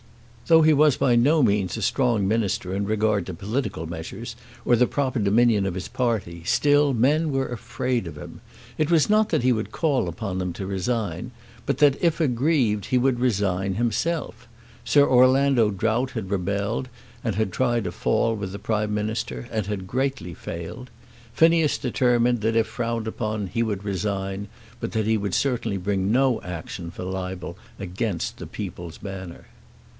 Though he was by no means a strong Minister in regard to political measures, or the proper dominion of his party, still men were afraid of him. It was not that he would call upon them to resign, but that, if aggrieved, he would resign himself. Sir Orlando Drought had rebelled and had tried a fall with the Prime Minister, and had greatly failed. Phineas determined that if frowned upon he would resign, but that he certainly would bring no action for libel against the "People's Banner."